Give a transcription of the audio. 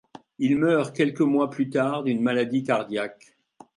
Il meurt quelques mois plus tard d'une maladie cardiaque.